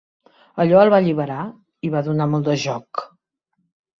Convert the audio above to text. Allò el va alliberar i va donar molt de joc.